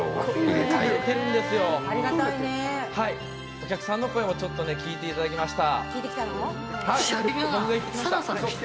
お客さんの声も聞いてきました。